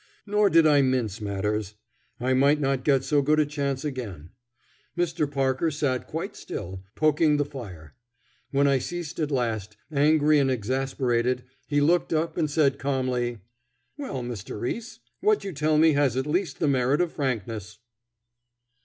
Nor did I mince matters; I might not get so good a chance again. Mr. Parker sat quite still, poking the fire. When I ceased at last, angry and exasperated, he looked up and said calmly: "Well, Mr. Riis, what you tell me has at least the merit of frankness."